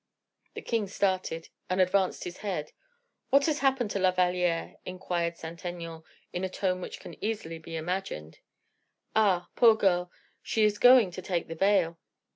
The king started, and advanced his head. "What has happened to La Valliere?" inquired Saint Aignan, in a tone which can easily be imagined. "Ah! poor girl! she is going to take the veil."